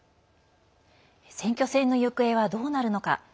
選挙戦の行方はどうなるのか。